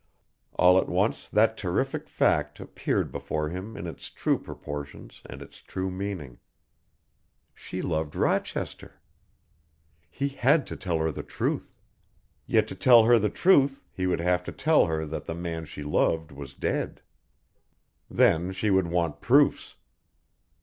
All at once that terrific fact appeared before him in its true proportions and its true meaning. She loved Rochester. He had to tell her the truth. Yet to tell her the truth he would have to tell her that the man she loved was dead. Then she would want proofs.